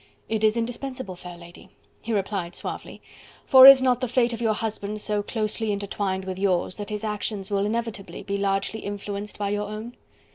"It is indispensable, fair lady," he replied suavely, "for is not the fate of your husband so closely intertwined with yours, that his actions will inevitably be largely influenced by your own."